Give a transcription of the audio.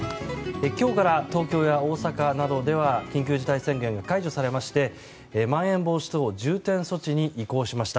今日から東京や大阪などでは緊急事態宣言が解除されましてまん延防止等重点措置に移行しました。